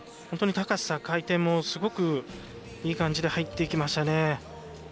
本当に高さ、回転もすごくいい感じで入ってきましたね。